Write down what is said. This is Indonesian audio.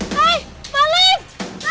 malin jangan lupa